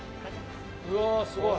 うわすごい！